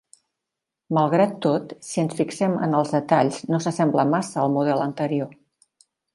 Malgrat tot, si ens fixem en els detalls, no s'assembla massa al model anterior.